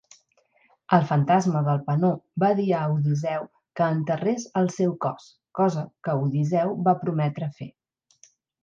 El fantasma d'Elpenor va dir a Odiseu que enterrés el seu cos, cosa que Odiseu va prometre fer.